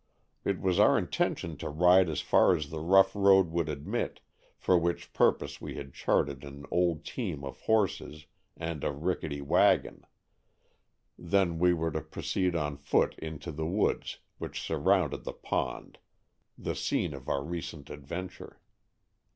It was our intention to ride as far as the rough road would admit, for which purpose we had chartered an old team of horses and a rickety wagon; then we were to proceed on foot into the woods which surrounded the pond, the scene of our recent adventure.